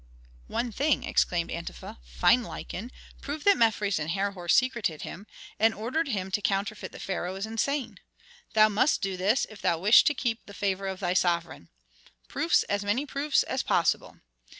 "One thing!" exclaimed Antefa. "Find Lykon, prove that Mefres and Herhor secreted him, and ordered him to counterfeit the pharaoh as insane. Thou must do this, if thou wish to keep the favor of thy sovereign. Proofs as many proofs as possible!